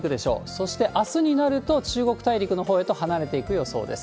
そしてあすになると、中国大陸のほうへと離れていく予想です。